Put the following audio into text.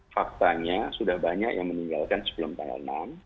faktanya sudah banyak yang meninggalkan sebelum tanggal enam